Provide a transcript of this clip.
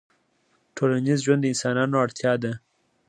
ټولنیز ژوند د انسانانو اړتیا ده